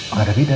nggak ada bidan